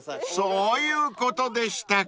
［そういうことでしたか］